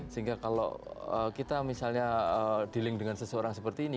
sehingga kalau kita misalnya dealing dengan seseorang seperti ini